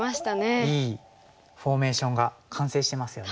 いいフォーメーションが完成してますよね。